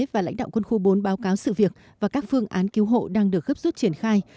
và lãnh đạo quân khu bốn báo cáo sự việc và các phương án cứu hộ đang được gấp rút triển khai